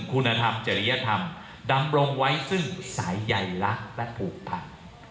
คุณธรรมจริยธรรมดำรงไว้ซึ่งสายใยลักษณ์และผูกพัน